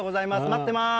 待ってます。